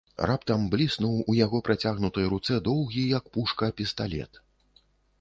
Раптам бліснуў у яго працягнутай руцэ доўгі, як пушка, пісталет.